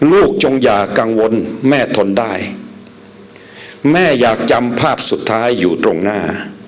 จงอย่ากังวลแม่ทนได้แม่อยากจำภาพสุดท้ายอยู่ตรงหน้า